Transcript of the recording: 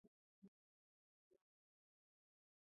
خسرګنۍ د مېړه کورنۍ ته ويل کيږي.